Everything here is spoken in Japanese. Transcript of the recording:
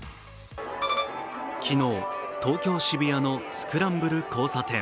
昨日、東京・渋谷のスクランブル交差点。